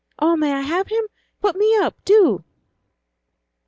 Oh, may I have him? Put me up, do!"